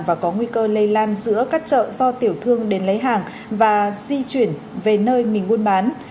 và có nguy cơ lây lan giữa các chợ do tiểu thương đến lấy hàng và di chuyển về nơi mình buôn bán